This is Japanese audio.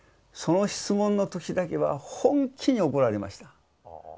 その質問の時だけは本気に怒られました。